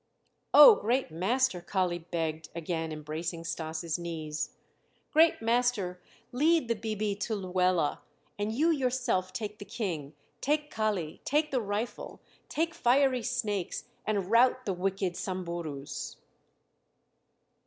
"Oh, great master!" Kali begged, again embracing Stas' knees, "great master, lead 'the bibi' to Luela, and you yourself take the King, take Kali, take the rifle, take fiery snakes and rout the wicked Samburus."